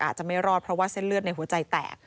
อาจจะไม่รอดเพราะว่าเส้นเลือดในหัวใจแตก